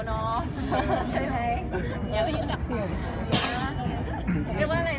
แม่กับผู้วิทยาลัย